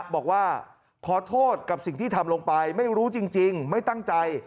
บอกว่าขอโทษกับสิ่งที่ทำลงไปไม่รู้จริงไม่ตั้งใจ